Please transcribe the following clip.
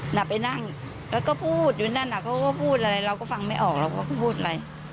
หลังไปนั่งแล้วก็พูดอยู่นั่นน่ะเขาก็พูดอะไรเราก็ฟังไม่ออกเราก็พูดอะไร